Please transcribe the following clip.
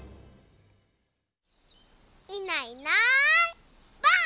いないいないばあっ！